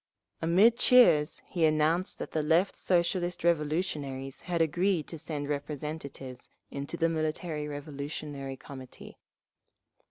Amid cheers he announced that the Left Socialist Revolutionaries had agreed to send representatives into the Military Revolutionary Committee….